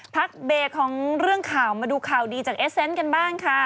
พักเบรกของเรื่องข่าวมาดูข่าวดีจากเอสเซนต์กันบ้างค่ะ